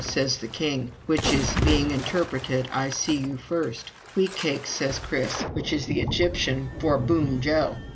says the king; which is being interpreted, 'I see you first.' 'Wheat cakes,' says Chris, which is the Egyptian for 'Boom Joe'").